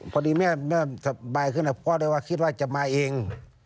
พอดีแม่สบายขึ้นแหละเพราะว่าคิดว่าจะมาเอง